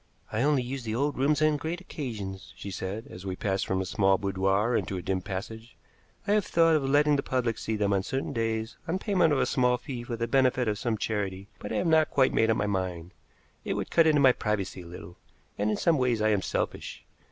"I only use the old rooms on great occasions," she said, as we passed from a small boudoir into a dim passage. "I have thought of letting the public see them on certain days on payment of a small fee for the benefit of some charity, but I have not quite made up my mind. It would cut into my privacy a little, and in some ways I am selfish.